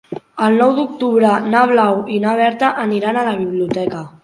El nou d'octubre na Blau i na Berta aniran a la biblioteca.